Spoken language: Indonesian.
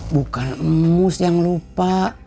bukan emus yang lupa